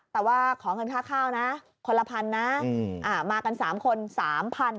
แต่ว่าขอเงินค่าข้าวนะคนละพันนะมากัน๓คน๓๐๐บาท